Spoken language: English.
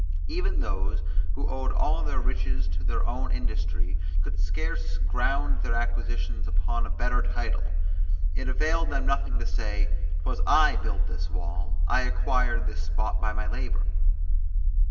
Even those, who owed all their riches to their own industry, could scarce ground their acquisitions upon a better title. It availed them nothing to say, 'Twas I built this wall; I acquired this spot by my labour.